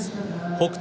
北勝